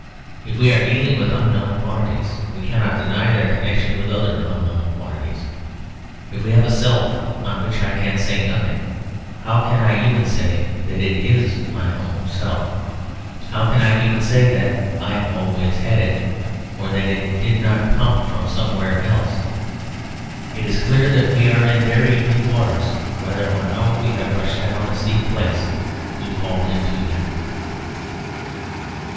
If we are dealing with unknown quantities, we cannot deny their connection with other unknown quantities. If I have a self of which I can say nothing, how can I even say that it is my own self? How can I even say that I always had it, or that it did not come from somewhere else? It is clear that we are in very deep waters, whether or no we have rushed down a steep place to fall into them.